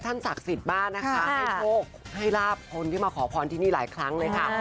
ท่านศักดิ์สิทธิ์บ้านนะคะให้พวกไทรลาภนที่มาขอพรที่นี่หลายครั้งเลยค่ะ